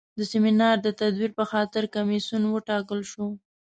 د سیمینار د تدویر په خاطر کمیسیون وټاکل شو.